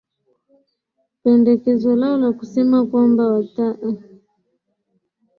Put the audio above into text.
pendekezo lao la kusema kwamba wataa